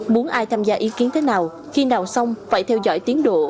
muốn ai tham gia ý kiến thế nào khi nào xong phải theo dõi tiến độ